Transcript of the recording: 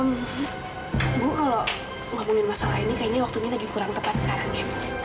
ibu kalau ngomongin masalah ini kayaknya waktu kita lagi kurang tepat sekarang ya